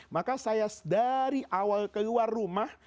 maka saya dari awal keluar rumah